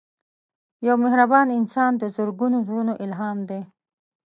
یو مهربان انسان د زرګونو زړونو الهام دی